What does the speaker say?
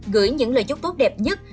gửi những lời chúc tốt đẹp nhất